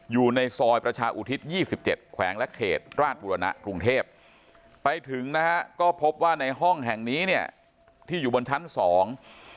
อยู่ในซอยประชาอุทิศยี่สิบเจ็ดแขวงและเขตราชบุรณะกรุงเทพไปถึงนะฮะก็พบว่าในห้องแห่งนี้เนี่ยที่อยู่บนชั้นสอง